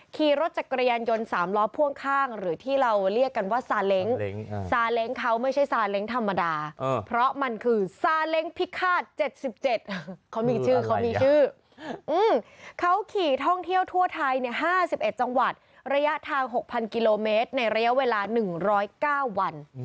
เขามีชื่อเขามีชื่อเขาขี่ท่องเที่ยวทั่วไทย๕๑จังหวัดระยะทาง๖๐๐๐กิโลเมตรในระยะเวลา๑๐๙วัน